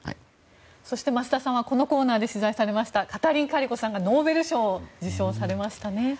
そして、増田さんはこのコーナーで取材されましたカタリン・カリコさんがノーベル賞を受賞されましたね。